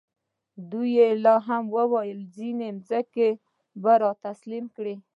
دا یې لا هم ویل چې ځینې ځمکې به را تسلیم کړي.